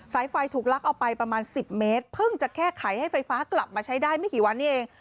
ไฟถูกลักเอาไปประมาณ๑๐เมตรเพิ่งจะแค่ไขให้ไฟฟ้ากลับมาใช้ได้ไม่กี่วันนี้เอง